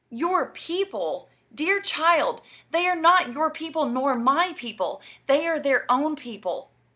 "Your people! Dear child, they are not your people nor my people; they are their own people.